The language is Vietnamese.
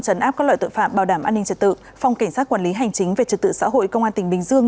trấn áp các loại tội phạm bảo đảm an ninh trật tự phòng cảnh sát quản lý hành chính về trật tự xã hội công an tỉnh bình dương